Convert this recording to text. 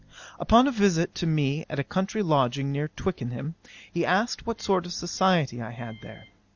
'Upon a visit to me at a country lodging near Twickenham, he asked what sort of society I had there.